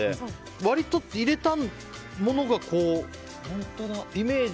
割と入れたものがイメージ。